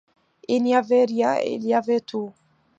Il n’y avait rien et il y avait tout.